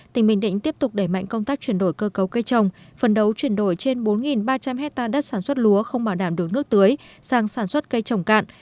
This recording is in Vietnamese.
tỉnh bình định tiếp tục đẩy mạnh công tác chuyển đổi cơ cấu cây trồng phần đấu chuyển đổi trên bốn ba trăm linh hectare đất sản xuất lúa không bảo đảm được nước tưới sang sản xuất cây trồng cạn